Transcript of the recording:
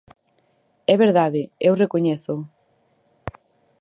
É verdade, eu recoñézoo.